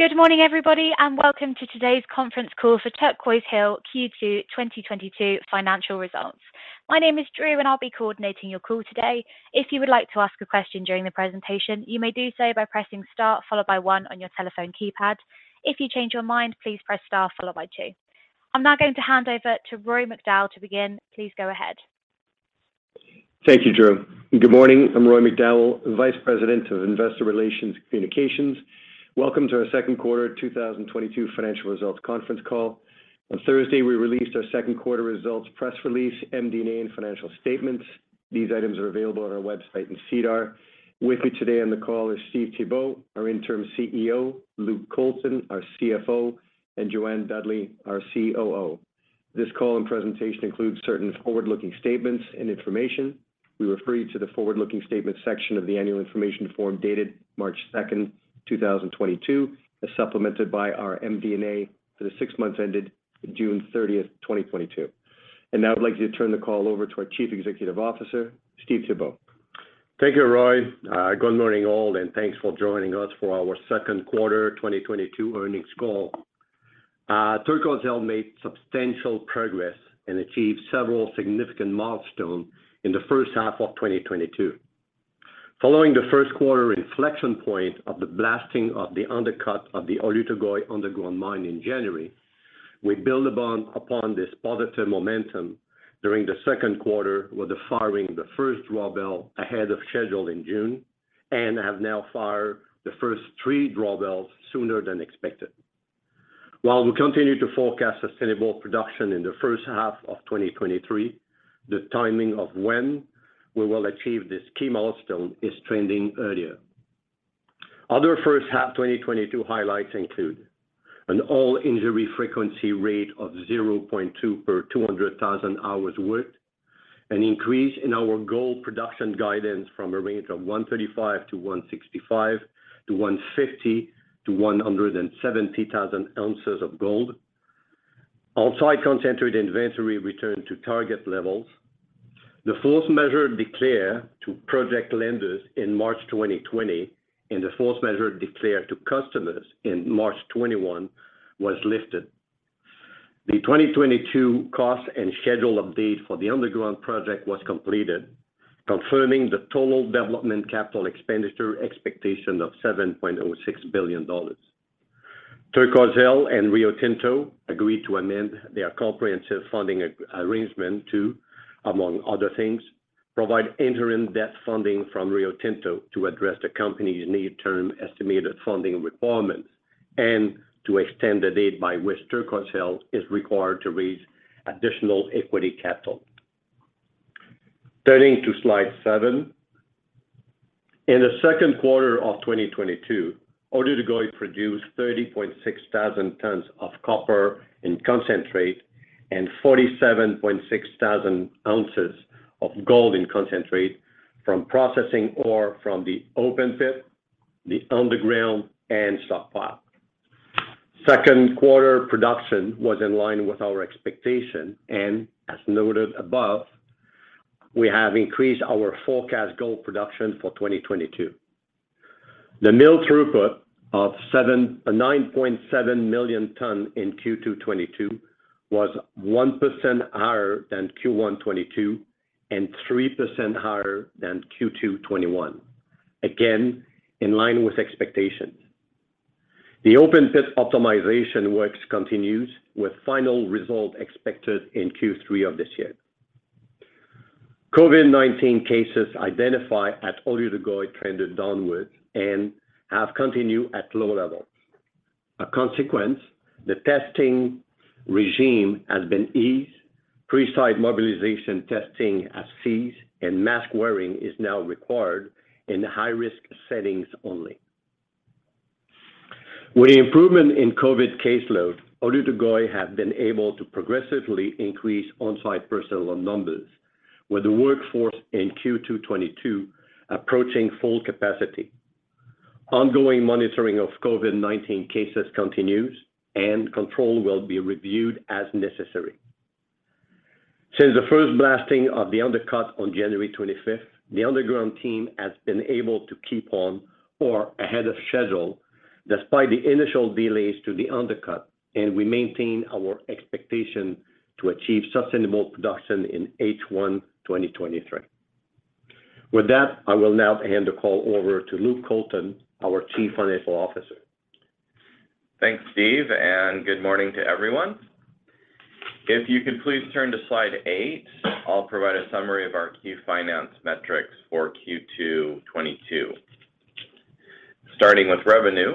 Good morning, everybody, and welcome to today's conference call for Turquoise Hill Q2 2022 financial results. My name is Drew, and I'll be coordinating your call today. If you would like to ask a question during the presentation, you may do so by pressing star followed by one on your telephone keypad. If you change your mind, please press star followed by two. I'm now going to hand over to Roy McDowall to begin. Please go ahead. Thank you, Drew. Good morning. I'm Roy McDowall, Vice President of Investor Relations and Communications. Welcome to our second quarter 2022 financial results conference call. On Thursday, we released our second quarter results press release, MD&A, and financial statements. These items are available on our website in SEDAR. With me today on the call is Steve Thibeault, our Interim CEO, Luke Colton, our CFO, and Jo-Anne Dudley, our COO. This call and presentation includes certain forward-looking statements and information. We refer you to the forward-looking statement section of the annual information form dated March 2nd, 2022, as supplemented by our MD&A for the six months ended June 30, 2022. Now I'd like to turn the call over to our Chief Executive Officer, Steve Thibeault. Thank you, Roy. Good morning, all, and thanks for joining us for our second quarter 2022 earnings call. Turquoise Hill made substantial progress and achieved several significant milestone in the first half of 2022. Following the first quarter inflection point of the blasting of the undercut of the Oyu Tolgoi underground mine in January, we build upon this positive momentum during the second quarter with the firing the first drawbell ahead of schedule in June and have now fired the first three drawbells sooner than expected. While we continue to forecast sustainable production in the first half of 2023, the timing of when we will achieve this key milestone is trending earlier. Other first half 2022 highlights include an all-injury frequency rate of 0.2 per 200,000 hours worked, an increase in our gold production guidance from a range of 135,000 oz-165,000 oz to 150,000 oz-170,000 oz of gold. Onsite concentrate inventory returned to target levels. The force majeure declared to project lenders in March 2020, and the force majeure declared to customers in March 2021 was lifted. The 2022 cost and schedule update for the underground project was completed, confirming the total development CapEx expectation of $7.06 billion. Turquoise Hill and Rio Tinto agreed to amend their comprehensive funding arrangement to, among other things, provide interim debt funding from Rio Tinto to address the company's near-term estimated funding requirements and to extend the date by which Turquoise Hill is required to raise additional equity capital. Turning to slide seven. In the second quarter of 2022, Oyu Tolgoi produced 30,600 tons of copper in concentrate and 47,600 oz of gold in concentrate from processing ore from the open pit, the underground, and stockpile. Second quarter production was in line with our expectation, and as noted above, we have increased our forecast gold production for 2022. The mill throughput of 9.7 million tons in Q2 2022 was 1% higher than Q1 2022 and 3% higher than Q2 2021. Again, in line with expectations. The open-pit optimization work continues with final result expected in Q3 of this year. COVID-19 cases identified at Oyu Tolgoi trended downward and have continued at low levels. As a consequence, the testing regime has been eased, pre-site mobilization testing has ceased, and mask-wearing is now required in high-risk settings only. With the improvement in COVID caseload, Oyu Tolgoi has been able to progressively increase on-site personnel numbers with the workforce in Q2 2022 approaching full capacity. Ongoing monitoring of COVID-19 cases continues, and control will be reviewed as necessary. Since the first blasting of the undercut on January 25th, the underground team has been able to keep on or ahead of schedule despite the initial delays to the undercut, and we maintain our expectation to achieve sustainable production in H1 2023. With that, I will now hand the call over to Luke Colton, our Chief Financial Officer. Thanks, Steve, and good morning to everyone. If you could please turn to slide eight, I'll provide a summary of our key financial metrics for Q2 2022. Starting with revenue.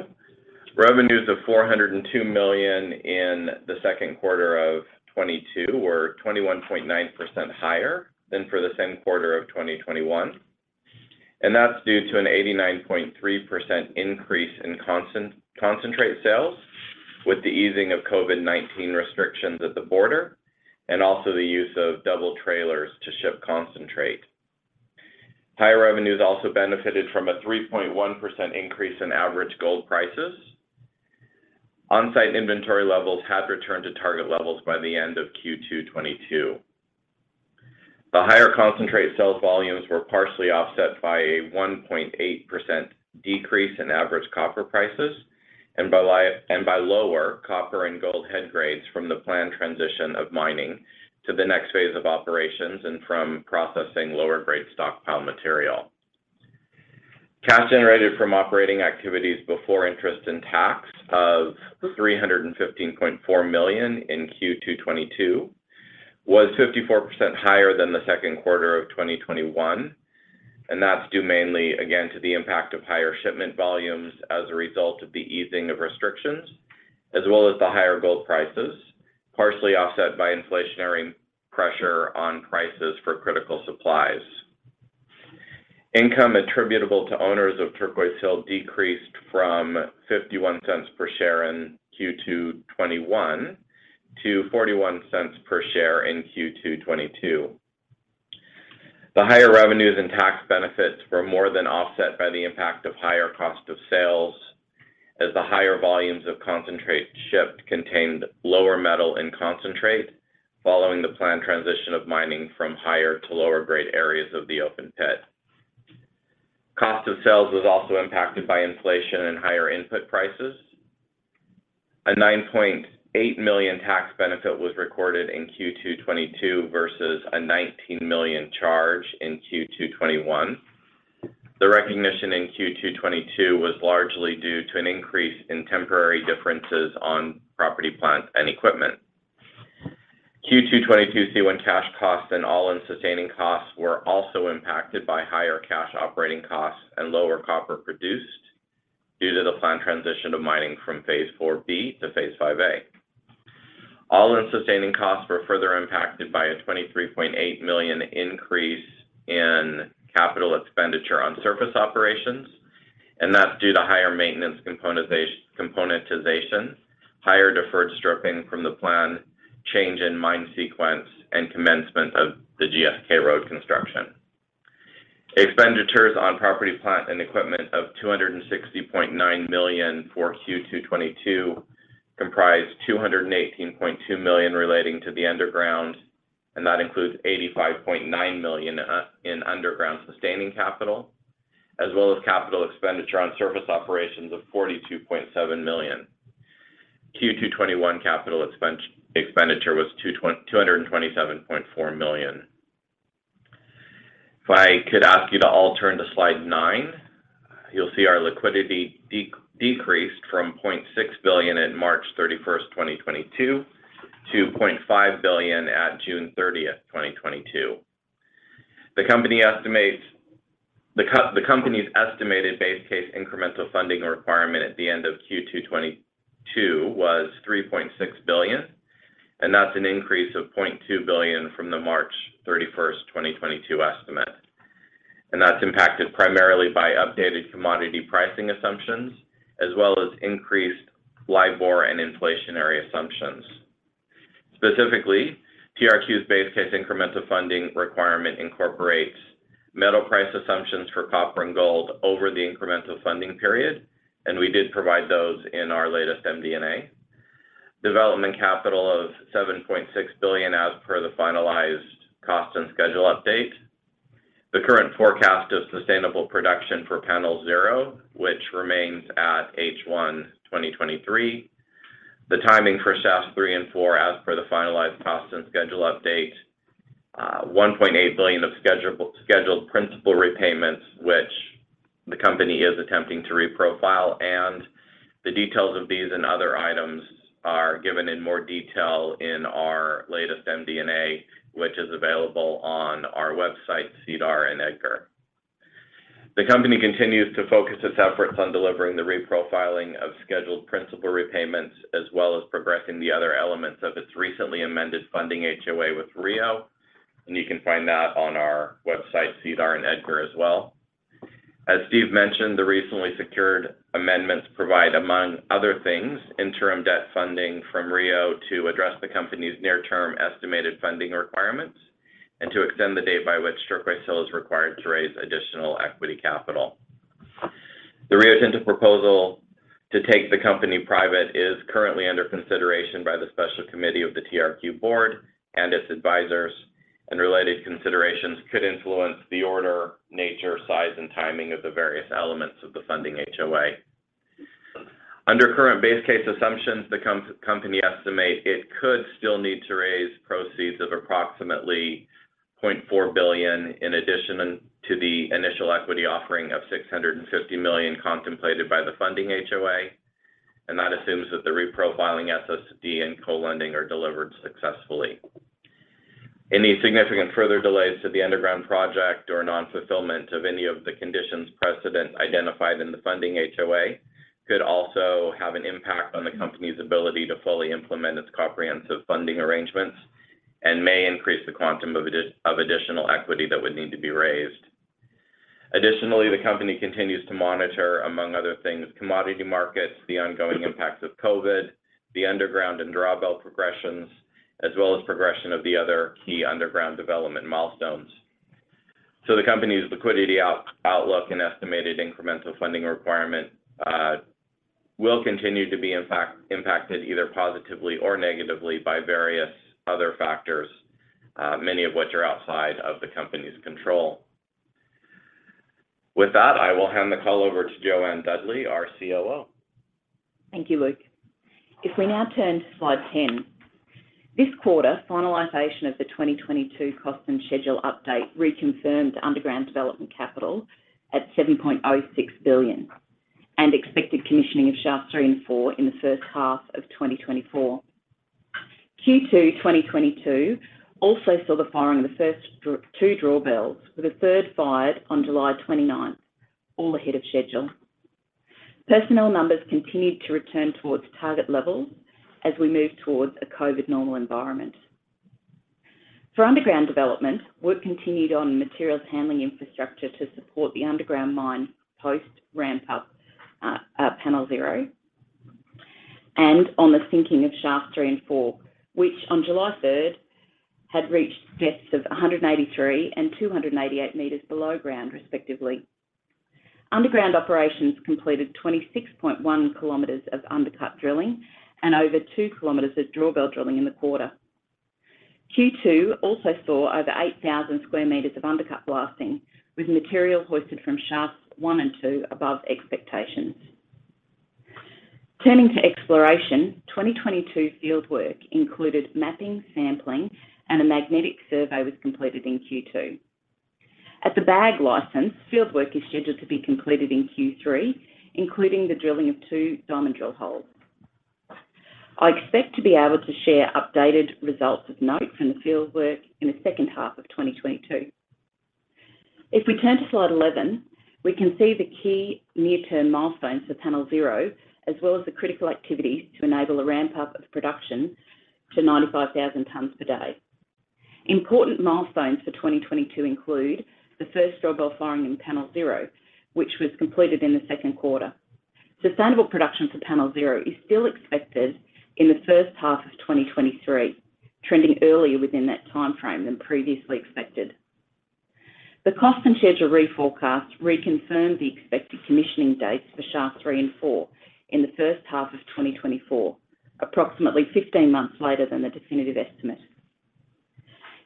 Revenues of $402 million in the second quarter of 2022 were 21.9% higher than for the same quarter of 2021, and that's due to an 89.3% increase in concentrate sales with the easing of COVID-19 restrictions at the border and also the use of double trailers to ship concentrate. Higher revenues also benefited from a 3.1% increase in average gold prices. On-site inventory levels have returned to target levels by the end of Q2 2022. The higher concentrate sales volumes were partially offset by a 1.8% decrease in average copper prices and by lower copper and gold head grades from the planned transition of mining to the next phase of operations and from processing lower grade stockpile material. Cash generated from operating activities before interest and tax of $315.4 million in Q2 2022 was 54% higher than the second quarter of 2021, and that's due mainly, again, to the impact of higher shipment volumes as a result of the easing of restrictions, as well as the higher gold prices, partially offset by inflationary pressure on prices for critical supplies. Income attributable to owners of Turquoise Hill decreased from $0.51 per share in Q2 2021 to $0.41 per share in Q2 2022. The higher revenues and tax benefits were more than offset by the impact of higher cost of sales as the higher volumes of concentrate shipped contained lower metal in concentrate following the planned transition of mining from higher- to lower-grade areas of the open pit. Cost of sales was also impacted by inflation and higher input prices. A $9.8 million tax benefit was recorded in Q2 2022 versus a $19 million charge in Q2 2021. The recognition in Q2 2022 was largely due to an increase in temporary differences on property, plant, and equipment. Q2 2022 C1 cash costs and all-in sustaining costs were also impacted by higher cash operating costs and lower copper produced due to the planned transition to mining from Phase 4B to Phase 5A. All-in sustaining costs were further impacted by a $23.8 million increase in CapEx on surface operations, and that's due to higher maintenance components, higher deferred stripping from the planned change in mine sequence, and commencement of the GSK road construction. Expenditures on property, plant, and equipment of $260.9 million for Q2 2022 comprised $218.2 million relating to the underground, and that includes $85.9 million in underground sustaining capital, as well as CapEx on surface operations of $42.7 million. Q2 2021 CapEx was $227.4 million. If I could ask you to all turn to slide nine. You'll see our liquidity decreased from $0.6 billion in March 31st, 2022 to $0.5 billion at June 30th, 2022. The company's estimated base case incremental funding requirement at the end of Q2 2022 was $3.6 billion, and that's an increase of $0.2 billion from the March 31st, 2022 estimate. That's impacted primarily by updated commodity pricing assumptions as well as increased LIBOR and inflationary assumptions. Specifically, TRQ's base case incremental funding requirement incorporates metal price assumptions for copper and gold over the incremental funding period, and we did provide those in our latest MD&A. Development capital of $7.6 billion as per the finalized cost and schedule update. The current forecast of sustainable production for Panel 0, which remains at H1 2023. The timing for Shafts 3 and 4 as per the finalized cost and schedule update. $1.8 billion of scheduled principal repayments, which the company is attempting to reprofile. The details of these and other items are given in more detail in our latest MD&A, which is available on our website, SEDAR, and EDGAR. The company continues to focus its efforts on delivering the reprofiling of scheduled principal repayments as well as progressing the other elements of its recently amended funding HoA with Rio, and you can find that on our website, SEDAR, and EDGAR as well. As Steve mentioned, the recently secured amendments provide, among other things, interim debt funding from Rio to address the company's near-term estimated funding requirements and to extend the date by which Turquoise Hill is required to raise additional equity capital. The Rio Tinto proposal to take the company private is currently under consideration by the Special Committee of the TRQ board and its advisors, and related considerations could influence the order, nature, size, and timing of the various elements of the funding HoA. Under current base case assumptions, the company estimate it could still need to raise proceeds of approximately $0.4 billion in addition to the initial equity offering of $650 million contemplated by the funding HoA, and that assumes that the reprofiling SSD and co-lending are delivered successfully. Any significant further delays to the underground project or non-fulfillment of any of the conditions precedent identified in the funding HoA could also have an impact on the company's ability to fully implement its comprehensive funding arrangements and may increase the quantum of additional equity that would need to be raised. Additionally, the company continues to monitor, among other things, commodity markets, the ongoing impacts of COVID, the underground and drawbell progressions, as well as progression of the other key underground development milestones. The company's liquidity outlook and estimated incremental funding requirement will continue to be, in fact, impacted either positively or negatively by various other factors, many of which are outside of the company's control. With that, I will hand the call over to Jo-Anne Dudley, our COO. Thank you, Luke. If we now turn to slide 10, this quarter, finalization of the 2022 cost and schedule update reconfirmed underground development capital at $7.06 billion and expected commissioning of Shafts 3 and 4 in the first half of 2024. Q2 2022 also saw the firing of the first two drawbells with a third fired on July 29, all ahead of schedule. Personnel numbers continued to return towards target levels as we move towards a COVID normal environment. For underground development, work continued on materials handling infrastructure to support the underground mine post ramp up at Panel 0. On the sinking of Shafts 3 and 4, which on July 3rd had reached depths of 183 m and 288 m below ground, respectively. Underground operations completed 26.1 km of undercut drilling and over 2 km of drawbell drilling in the quarter. Q2 also saw over 8,000 sq m of undercut blasting, with material hoisted from Shafts 1 and 2 above expectations. Turning to exploration, 2022 fieldwork included mapping, sampling, and a magnetic survey was completed in Q2. At the Bag license, fieldwork is scheduled to be completed in Q3, including the drilling of two diamond drill holes. I expect to be able to share updated results of note from the fieldwork in the second half of 2022. If we turn to slide 11, we can see the key near-term milestones for Panel 0, as well as the critical activities to enable a ramp-up of production to 95,000 tons per day. Important milestones for 2022 include the first drawbell firing in Panel 0, which was completed in the second quarter. Sustainable production for Panel 0 is still expected in the first half of 2023, trending earlier within that time frame than previously expected. The cost and schedule reforecast reconfirms the expected commissioning dates for Shafts 3 and 4 in the first half of 2024, approximately 15 months later than the definitive estimate.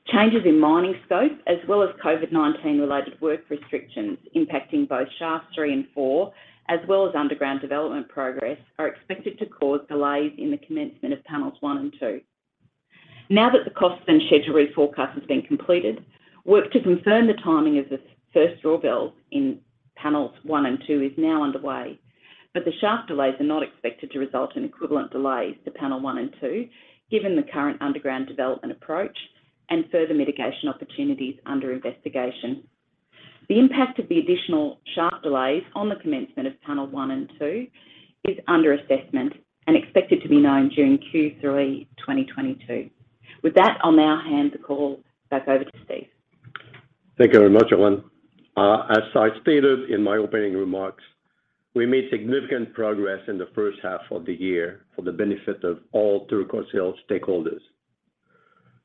Changes in mining scope, as well as COVID-19 related work restrictions impacting both Shafts 3 and 4, as well as underground development progress, are expected to cause delays in the commencement of Panels 1 and 2. Now that the cost and schedule reforecast has been completed, work to confirm the timing of the first drawbells in Panels 1 and 2 is now underway. The shaft delays are not expected to result in equivalent delays to Panels 1 and 2, given the current underground development approach and further mitigation opportunities under investigation. The impact of the additional shaft delays on the commencement of Panels 1 and 2 is under assessment and expected to be known during Q3, 2022. With that, I'll now hand the call back over to Steve. Thank you very much, Jo-Anne. As I stated in my opening remarks, we made significant progress in the first half of the year for the benefit of all Turquoise Hill stakeholders.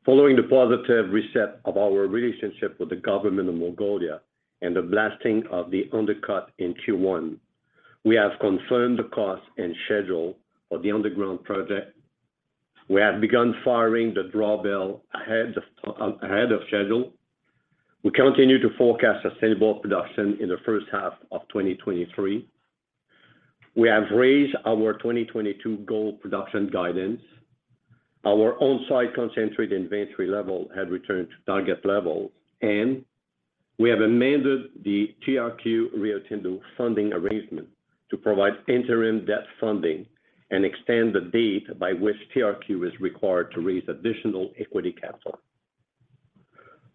Following the positive reset of our relationship with the Government of Mongolia and the blasting of the undercut in Q1, we have confirmed the cost and schedule of the underground project. We have begun firing the drawbell ahead of schedule. We continue to forecast sustainable production in the first half of 2023. We have raised our 2022 gold production guidance. Our on-site concentrate inventory level had returned to target levels, and we have amended the TRQ-Rio Tinto funding arrangement to provide interim debt funding and extend the date by which TRQ is required to raise additional equity capital.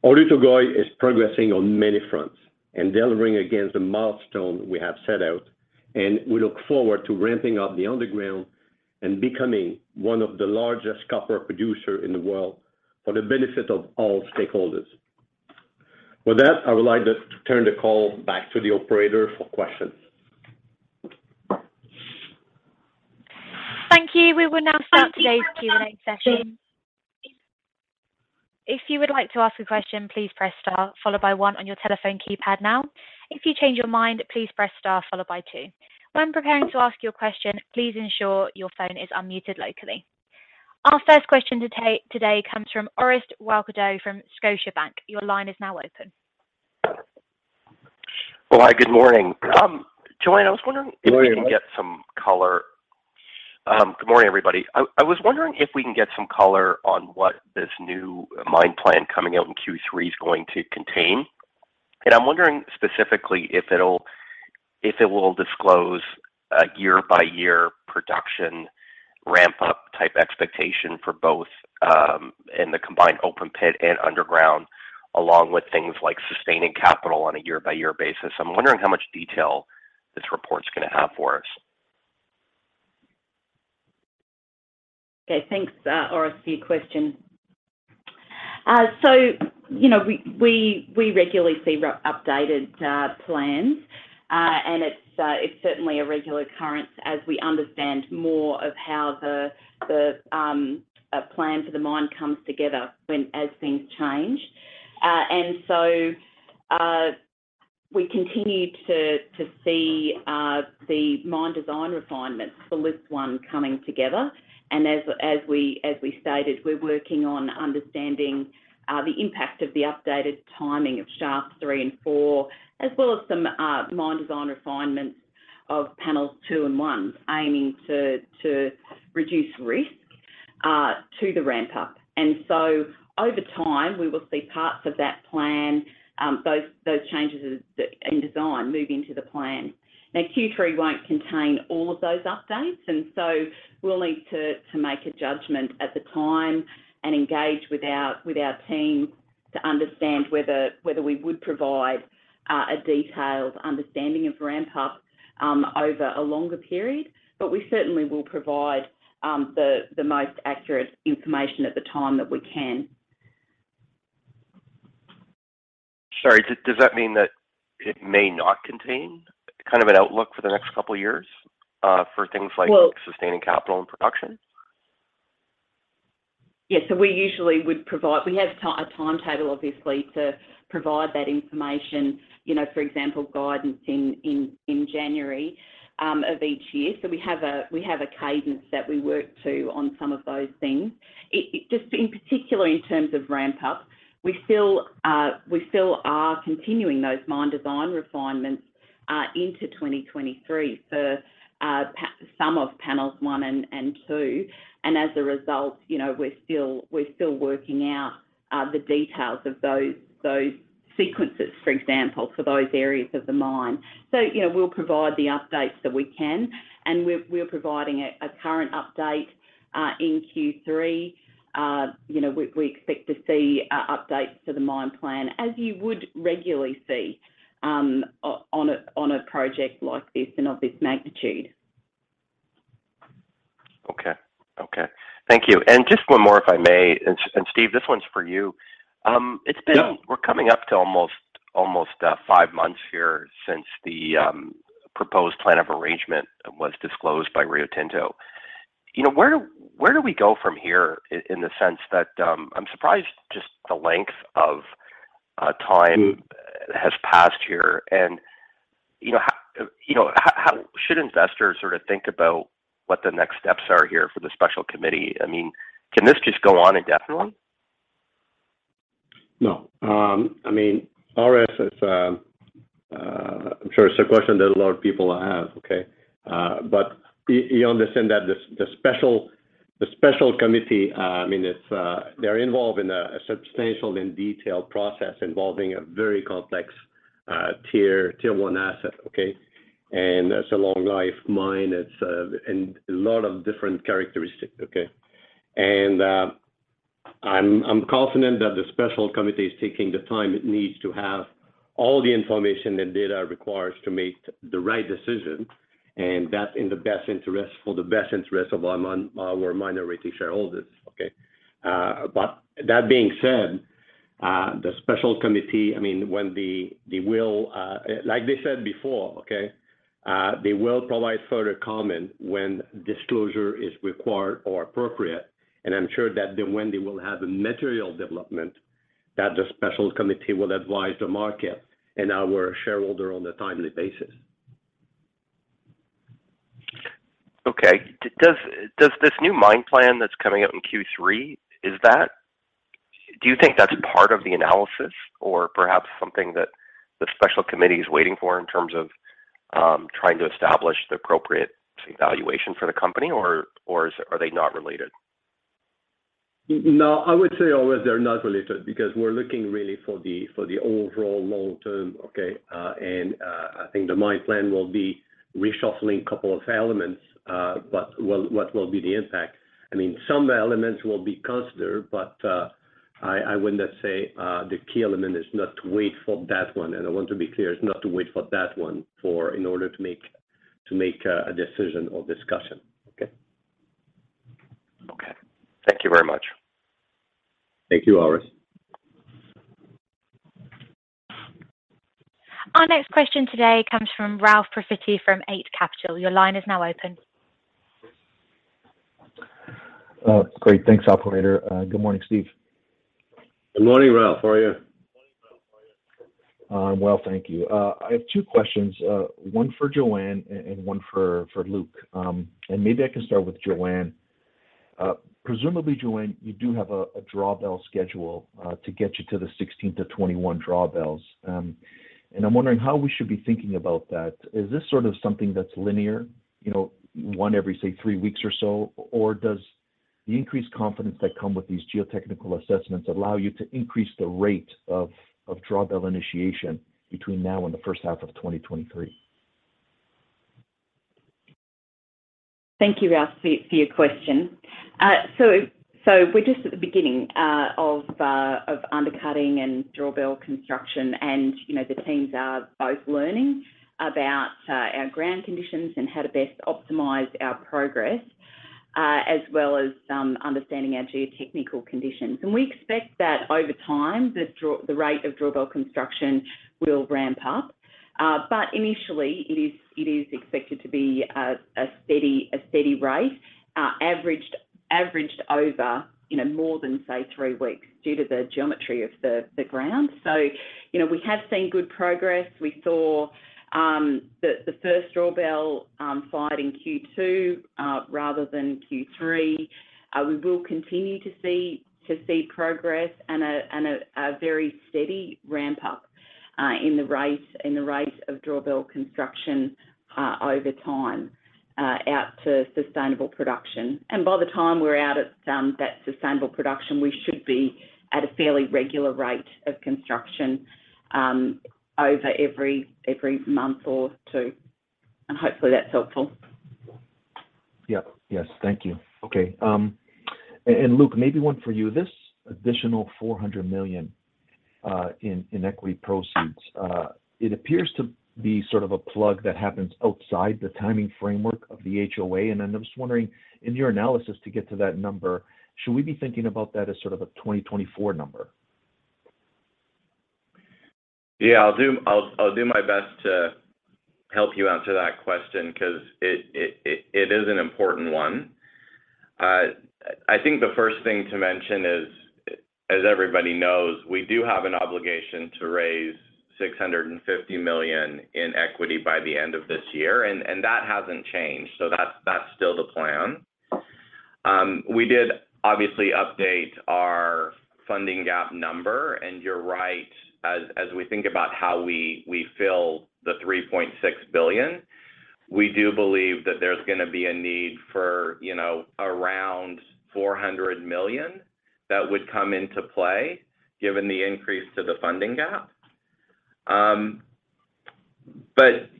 Oyu Tolgoi is progressing on many fronts and delivering against the milestone we have set out, and we look forward to ramping up the underground and becoming one of the largest copper producer in the world for the benefit of all stakeholders. With that, I would like to turn the call back to the operator for questions. Thank you. We will now start today's Q&A session. If you would like to ask a question, please press star followed by one on your telephone keypad now. If you change your mind, please press star followed by two. When preparing to ask your question, please ensure your phone is unmuted locally. Our first question today comes from Orest Wowkodaw from Scotiabank. Your line is now open. Hello, good morning. Jo-Anne, I was wondering if we can get some color. Good morning, Orest. Good morning, everybody. I was wondering if we can get some color on what this new mine plan coming out in Q3 is going to contain. I'm wondering specifically if it will disclose a year-by-year production ramp-up type expectation for both in the combined open pit and underground, along with things like sustaining capital on a year-by-year basis. I'm wondering how much detail this report's gonna have for us. Okay. Thanks, Orest, for your question. You know, we regularly see updated plans. It's certainly a regular occurrence as we understand more of how the plan for the mine comes together as things change. We continue to see the mine design refinements for Lift 1 coming together. As we stated, we're working on understanding the impact of the updated timing of Shaft 3 and 4, as well as some mine design refinements of Panels 2 and 1, aiming to reduce risk to the ramp-up. Over time, we will see parts of that plan, those changes in design move into the plan. Now, Q3 won't contain all of those updates, and so we'll need to make a judgment at the time and engage with our team to understand whether we would provide a detailed understanding of ramp-up over a longer period. But we certainly will provide the most accurate information at the time that we can. Sorry, does that mean that it may not contain kind of an outlook for the next couple of years, for things like— Well— Sustaining capital and production? Yes. We have a timetable, obviously, to provide that information, you know, for example, guidance in January of each year. We have a cadence that we work to on some of those things. Just in particular, in terms of ramp-up, we still are continuing those mine design refinements into 2023 for some of Panels 1 and 2. As a result, you know, we're still working out the details of those sequences, for example, for those areas of the mine. You know, we'll provide the updates that we can, and we're providing a current update in Q3. You know, we expect to see updates to the mine plan as you would regularly see on a project like this and of this magnitude. Okay. Thank you. Just one more, if I may. Steve, this one's for you. It's been— Yeah. We're coming up to almost five months here since the proposed plan of arrangement was disclosed by Rio Tinto. You know, where do we go from here in the sense that, I'm surprised just at the length of time that has past here. You know, how should investors sort of think about what the next steps are here for the Special Committee? I mean, can this just go on indefinitely? No. I mean, Orest, I'm sure it's a question that a lot of people have, okay? But you understand that the Special Committee, I mean, they're involved in a substantial and detailed process involving a very complex Tier 1 asset, okay? It's a long-life mine. It's and a lot of different characteristics, okay? I'm confident that the Special Committee is taking the time it needs to have all the information and data requires to make the right decision, and that's in the best interest of our minority shareholders, okay? But that being said, the Special Committee, I mean, they will, like they said before, okay, they will provide further comment when disclosure is required or appropriate. I'm sure that when they will have a material development, that the Special Committee will advise the market and our shareholders on a timely basis. Does this new mine plan that's coming up in Q3, is that do you think that's part of the analysis or perhaps something that the Special Committee is waiting for in terms of, trying to establish the appropriate evaluation for the company, or is it, are they not related? No, I would say, Orest, they're not related because we're looking really for the overall long term, okay? I think the mine plan will be reshuffling a couple of elements, but what will be the impact? I mean, some elements will be considered, but I wouldn't say the key element is not to wait for that one. I want to be clear: it's not to wait for that one in order to make a decision or discussion, okay? Okay. Thank you very much. Thank you, Orest. Our next question today comes from Ralph Profiti from Eight Capital. Your line is now open. Great. Thanks, operator. Good morning, Steve. Good morning, Ralph. How are you? I'm well, thank you. I have two questions, one for Jo-Anne and one for Luke. Maybe I can start with Jo-Anne. Presumably, Jo-Anne, you do have a drawbell schedule to get you to the 16-21 drawbells. I'm wondering how we should be thinking about that. Is this sort of something that's linear, you know, one every, say, three weeks or so? Or does the increased confidence that come with these geotechnical assessments allow you to increase the rate of drawbell initiation between now and the first half of 2023? Thank you, Ralph, for your question. We're just at the beginning of undercutting and drawbell construction. You know, the teams are both learning about our ground conditions and how to best optimize our progress, as well as understanding our geotechnical conditions. We expect that over time, the rate of drawbell construction will ramp up. But initially, it is expected to be a steady rate averaged over, you know, more than, say, three weeks due to the geometry of the ground. You know, we have seen good progress. We saw the first drawbell fired in Q2 rather than Q3. We will continue to see progress and a very steady ramp-up in the rate of drawbell construction over time out to sustainable production. By the time we're out at that sustainable production, we should be at a fairly regular rate of construction over every month or two. Hopefully that's helpful. Yep. Yes. Thank you. Okay, Luke, maybe one for you. This additional $400 million in equity proceeds, it appears to be sort of a plug that happens outside the timing framework of the HoA. I'm just wondering, in your analysis to get to that number, should we be thinking about that as sort of a 2024 number? Yeah, I'll do my best to help you answer that question 'cause it is an important one. I think the first thing to mention is, as everybody knows, we do have an obligation to raise $650 million in equity by the end of this year, and that hasn't changed, that's still the plan. We did obviously update our funding gap number, and you're right. As we think about how we fill the $3.6 billion, we do believe that there's gonna be a need for, you know, around $400 million that would come into play given the increase to the funding gap.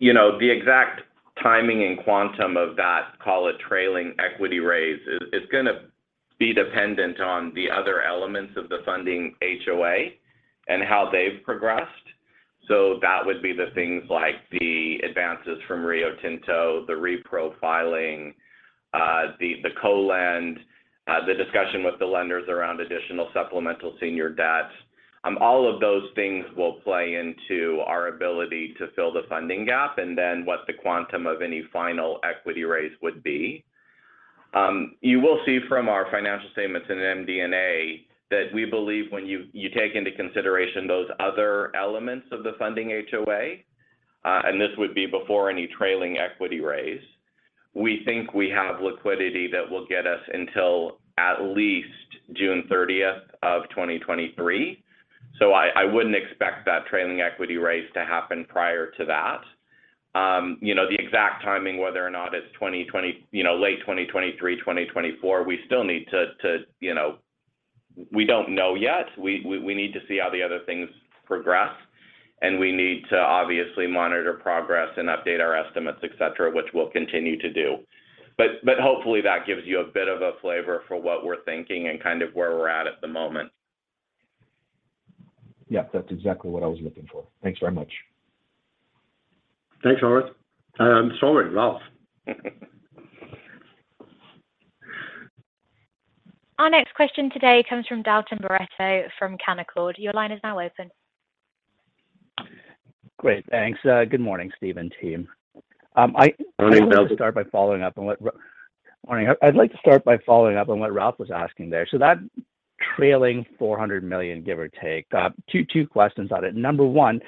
You know, the exact timing and quantum of that, call it trailing equity raise, is gonna be dependent on the other elements of the funding HoA and how they've progressed. That would be the things like the advances from Rio Tinto, the reprofiling, the co-lend, the discussion with the lenders around additional supplemental senior debt. All of those things will play into our ability to fill the funding gap and then what the quantum of any final equity raise would be. You will see from our financial statements in MD&A that we believe when you take into consideration those other elements of the funding HoA, and this would be before any trailing equity raise, we think we have liquidity that will get us until at least June 30th, 2023. I wouldn't expect that trailing equity raise to happen prior to that. You know, the exact timing, whether or not it's late 2023, 2024, we still need to, you know. We don't know yet. We need to see how the other things progress, and we need to obviously monitor progress and update our estimates, et cetera, which we'll continue to do. Hopefully that gives you a bit of a flavor for what we're thinking and kind of where we're at the moment. Yeah. That's exactly what I was looking for. Thanks very much. Thanks, Orest—I'm sorry, Ralph. Our next question today comes from Dalton Baretto from Canaccord Genuity. Your line is now open. Great. Thanks. Good morning, Steve and team. Morning, Dalton. Morning. I'd like to start by following up on what Ralph was asking there. That trailing $400 million, give or take, two questions on it. Number one,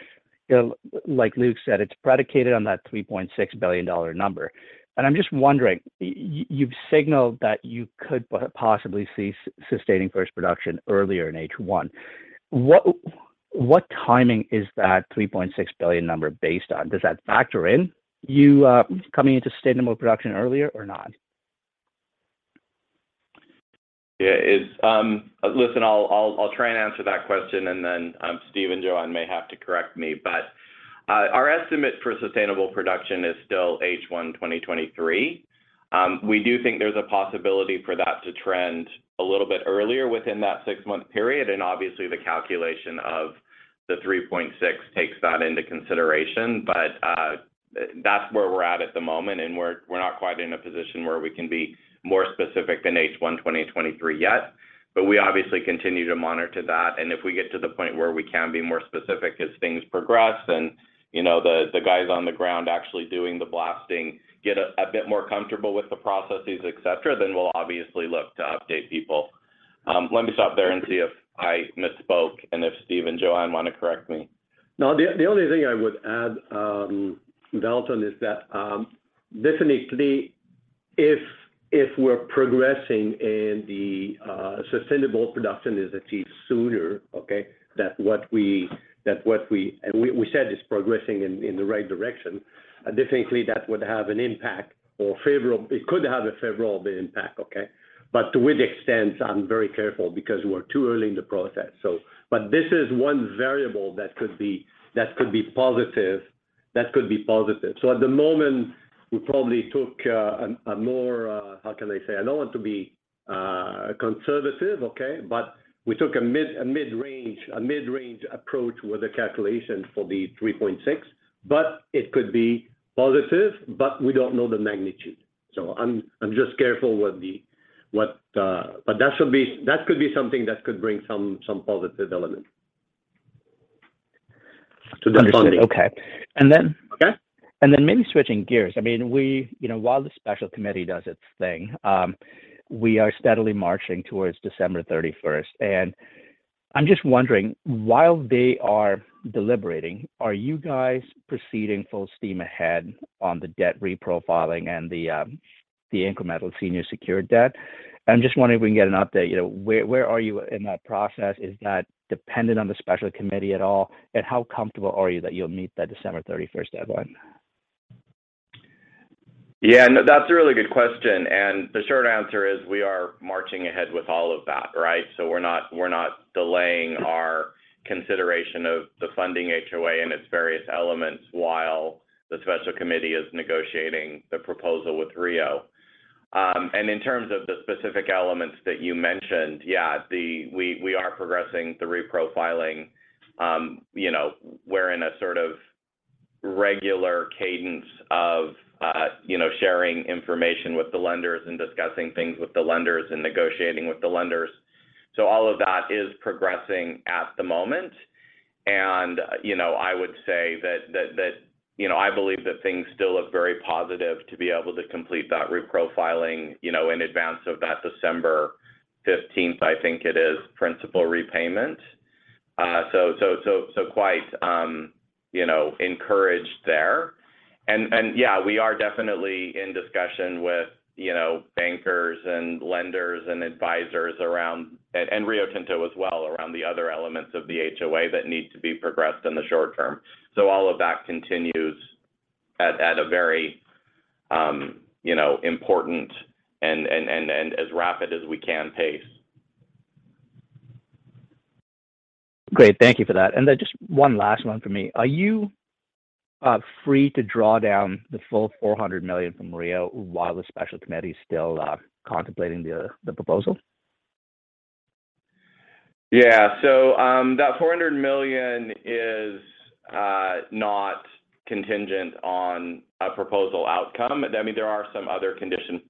like Luke said, it's predicated on that $3.6 billion number. I'm just wondering, you've signaled that you could possibly cease sustaining first production earlier in H1. What timing is that $3.6 billion number based on? Does that factor in you coming into sustainable production earlier or not? Yeah. Listen, I'll try and answer that question, and then, Steve and Jo-Anne may have to correct me. Our estimate for sustainable production is still H1 2023. We do think there's a possibility for that to trend a little bit earlier within that six-month period, and obviously the calculation of the $3.6 billion takes that into consideration. That's where we're at at the moment, and we're not quite in a position where we can be more specific than H1 2023 yet. We obviously continue to monitor that, and if we get to the point where we can be more specific as things progress and, you know, the guys on the ground actually doing the blasting get a bit more comfortable with the processes, et cetera, then we'll obviously look to update people. Let me stop there and see if I misspoke and if Steve and Jo-Anne wanna correct me. No, the only thing I would add, Dalton, is that definitely if we're progressing and the sustainable production is achieved sooner, okay? We said it's progressing in the right direction. Definitely that would have an impact. It could have a favorable impact, okay? To what extent, I'm very careful because we're too early in the process. This is one variable that could be positive. At the moment, we probably took a more, how can I say, I don't want to be conservative, okay? We took a mid-range approach with the calculation for the $3.6 billion. It could be positive, but we don't know the magnitude. I'm just careful. That could be something that could bring some positive element to the funding. Understood. Okay. Okay. Maybe switching gears. I mean, we, you know, while the Special Committee does its thing, we are steadily marching towards December 31st. I'm just wondering, while they are deliberating, are you guys proceeding full steam ahead on the debt reprofiling and the incremental senior secured debt? I'm just wondering if we can get an update. You know, where are you in that process? Is that dependent on the Special Committee at all? How comfortable are you that you'll meet that December 31st deadline? Yeah, no, that's a really good question. The short answer is we are marching ahead with all of that, right? We're not delaying our consideration of the funding HoA and its various elements while the Special Committee is negotiating the proposal with Rio. In terms of the specific elements that you mentioned, yeah, we are progressing the reprofiling. You know, we're in a sort of regular cadence of sharing information with the lenders and discussing things with the lenders and negotiating with the lenders. All of that is progressing at the moment. You know, I would say that I believe that things still look very positive to be able to complete that reprofiling, you know, in advance of that December 15th, I think it is, principal repayment. Quite, you know, encouraged there. Yeah, we are definitely in discussion with, you know, bankers and lenders and advisors around and Rio Tinto as well, around the other elements of the HoA that need to be progressed in the short term. All of that continues at a very, you know, important and as rapid as we can pace. Great. Thank you for that. Just one last one for me. Are you free to draw down the full $400 million from Rio while the Special Committee is still contemplating the proposal? Yeah. That $400 million is not contingent on a proposal outcome. I mean, there are some other conditions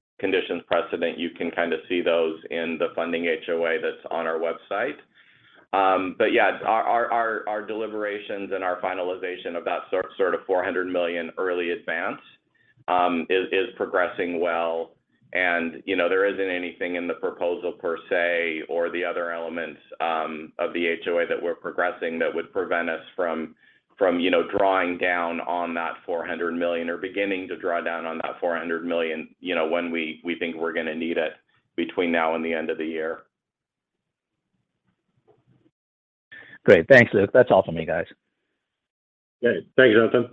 precedent. You can kind of see those in the funding HoA that's on our website. Yeah, our deliberations and our finalization of that sort of $400 million early advance is progressing well. You know, there isn't anything in the proposal per se or the other elements of the HoA that we're progressing that would prevent us from, you know, drawing down on that $400 million or beginning to draw down on that $400 million, you know, when we think we're gonna need it between now and the end of the year. Great. Thanks, Luke. That's all for me, guys. Great. Thank you, Dalton.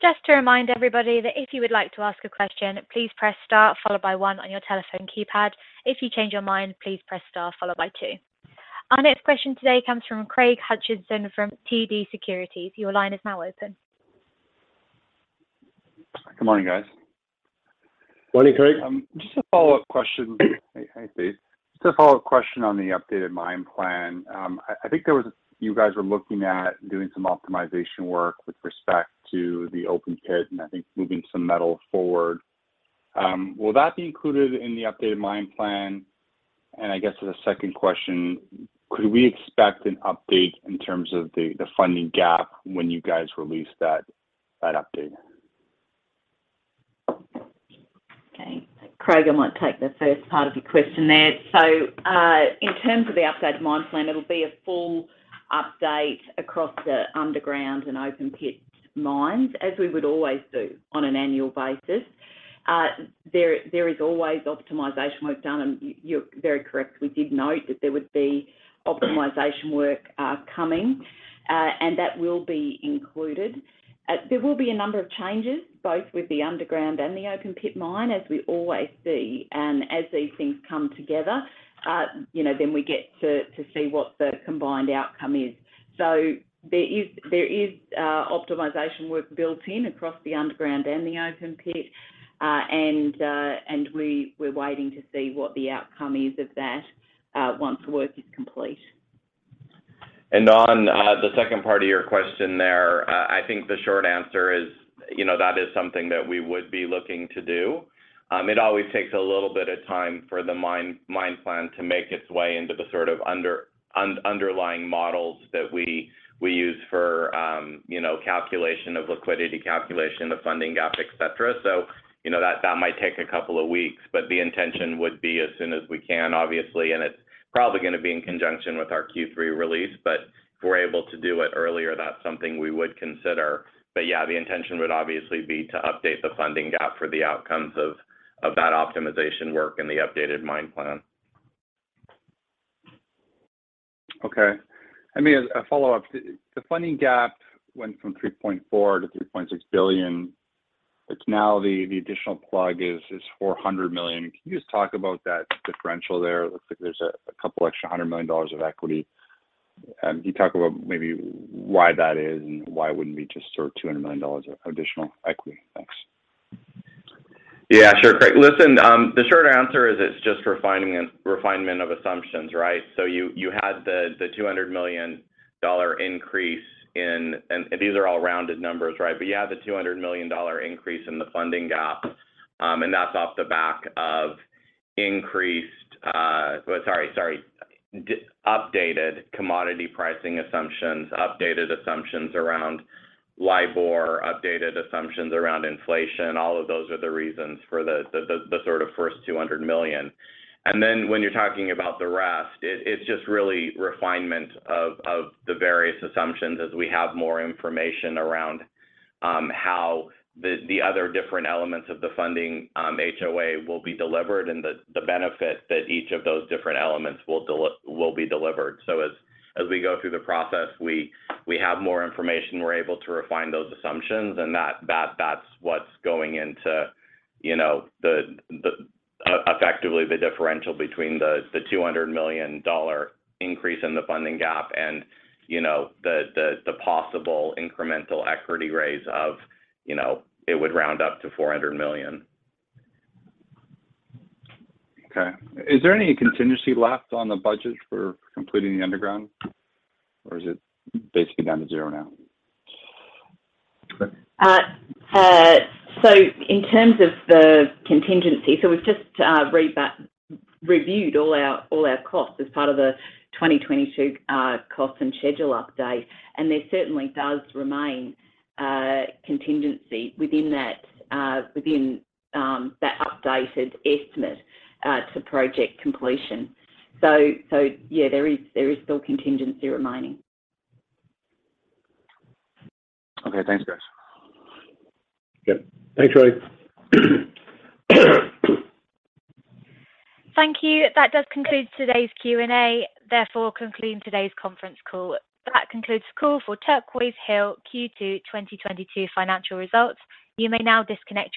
Just to remind everybody that if you would like to ask a question, please press star followed by one on your telephone keypad. If you change your mind, please press star followed by two. Our next question today comes from Craig Hutchison from TD Securities. Your line is now open. Good morning, guys. Morning, Craig. Just a follow-up question. Hey, Steve. Just a follow-up question on the updated mine plan. I think there was. You guys were looking at doing some optimization work with respect to the open pit, and I think moving some metal forward. Will that be included in the updated mine plan? I guess as a second question, could we expect an update in terms of the funding gap when you guys release that update? Okay. Craig, I might take the first part of your question there. In terms of the updated mine plan, it'll be a full update across the underground and open pit mines, as we would always do on an annual basis. There is always optimization work done. You're very correct, we did note that there would be optimization work coming, and that will be included. There will be a number of changes, both with the underground and the open pit mine, as we always see. As these things come together, you know, then we get to see what the combined outcome is. There is optimization work built in across the underground and the open pit. We're waiting to see what the outcome is of that, once work is complete. On the second part of your question there, I think the short answer is, you know, that is something that we would be looking to do. It always takes a little bit of time for the mine plan to make its way into the sort of underlying models that we use for, you know, calculation of liquidity, calculation of funding gap, et cetera. You know, that might take a couple of weeks. The intention would be as soon as we can, obviously. It's probably gonna be in conjunction with our Q3 release. If we're able to do it earlier, that's something we would consider. Yeah, the intention would obviously be to update the funding gap for the outcomes of that optimization work in the updated mine plan. Okay. I may ask a follow-up. The funding gap went from $3.4 billion-$3.6 billion. Now the additional plug is $400 million. Can you just talk about that differential there? It looks like there's a couple extra hundred million dollars of equity. And can you talk about maybe why that is and why wouldn't we just source $200 million of additional equity? Thanks. Yeah. Sure, Craig. Listen, the short answer is it's just refining and refinement of assumptions, right? You had the $200 million increase in the funding gap. These are all rounded numbers, right? That's off the back of updated commodity pricing assumptions, updated assumptions around LIBOR, updated assumptions around inflation. All of those are the reasons for the sort of first $200 million. When you're talking about the rest, it's just really refinement of the various assumptions as we have more information around how the other different elements of the funding HoA will be delivered and the benefit that each of those different elements will be delivered. As we go through the process, we have more information, we're able to refine those assumptions, and that's what's going into, you know, effectively the differential between the $200 million increase in the funding gap and, you know, the possible incremental equity raise of, you know, it would round up to $400 million. Okay. Is there any contingency left on the budget for completing the underground? Is it basically down to zero now? In terms of the contingency, we've just reviewed all our costs as part of the 2022 cost and schedule update. There certainly does remain a contingency within that, within that updated estimate to project completion. Yeah, there is still contingency remaining. Okay. Thanks, guys. Yep. Thanks, Roy. Thank you. That does conclude today's Q&A, therefore concluding today's conference call. That concludes the call for Turquoise Hill Q2 2022 financial results. You may now disconnect your line.